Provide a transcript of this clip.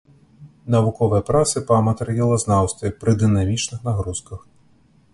Навуковыя працы па матэрыялазнаўстве пры дынамічных нагрузках.